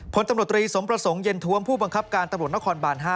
พลตำรวจตรีสมประสงค์เย็นทวมผู้บังคับการตำรวจนครบาน๕